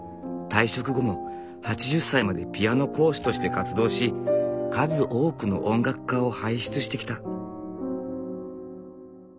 退職後も８０歳までピアノ講師として活動し数多くの音楽家を輩出してきた。